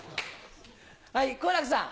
はい好楽さん。